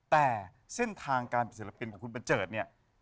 แต่เส้นทางการเป็นศิลปินของคุณบันเจิดเนี่ย